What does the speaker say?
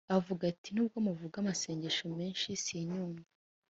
aravuga ati nubwo muvuga amasengesho menshi sinyumva!